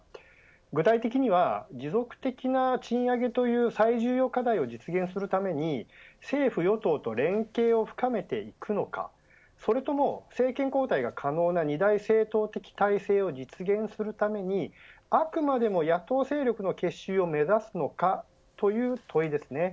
具体的には持続的な賃上げという最重要課題を実現するために政府・与党と連携を深めていくのかそれとも政権交代が可能な２大政党的体制を実現するためにあくまでも野党勢力の結集を目指すのかという問いです。